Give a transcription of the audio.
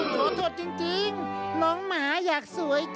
ขอโทษจริงน้องหมาอยากสวย